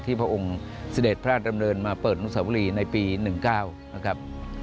ที่พระองค์สิเจ็ดพระธรรมเดินมาเปิดมุษาบุรีในปี๑๙นะครับ